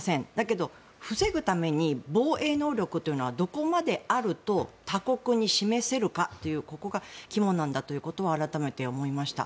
だけど防ぐために防衛能力というのはどこまであると他国に示せるかというここが肝なんだということは改めて思いました。